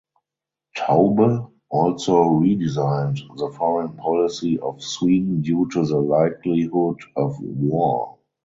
Taube also redesigned the foreign policy of Sweden due to the likelihood of war.